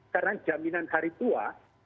karena jaminan hari tua